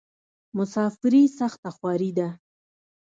مسافري سخته خواری ده.